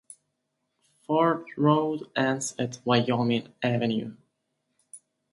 Ford Road ends at Wyoming Avenue.